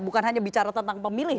bukan hanya bicara tentang pemilih